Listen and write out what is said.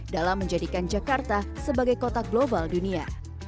dalam menjadikan jakarta sebagai kota global dunia